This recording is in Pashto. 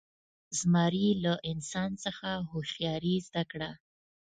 زمري له انسان څخه هوښیاري زده کړه.